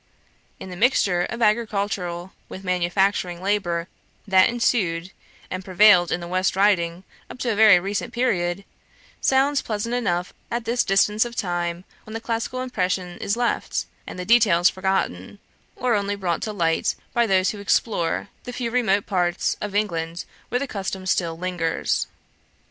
The mixture of agricultural with manufacturing labour that ensued and prevailed in the West Riding up to a very recent period, sounds pleasant enough at this distance of time, when the classical impression is left, and the details forgotten, or only brought to light by those who explore the few remote parts of England where the custom still lingers.